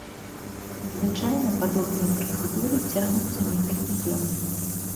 Звычайна падобныя працэдуры цягнуцца некалькі дзён.